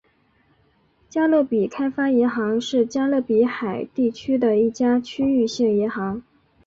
加勒比开发银行是加勒比海地区的一家区域性银行。